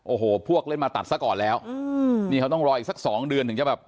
โอ้โหพวกเล่นมาตัดซะก่อนแล้วอืมนี่เขาต้องรออีกสักสองเดือนถึงจะแบบ